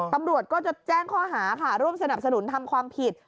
ตำรวจก็จะแจ้งข้อหาค่ะร่วมสนับสนุนทำความผิด